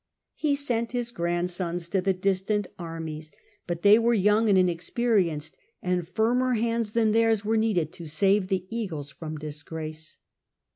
He sent his grand sons to the distant armies ; but they were young A.D. 14 . Augustus, 33 and inexperienced, and firmer hands than theirs were needed to save the eagles from disgrace.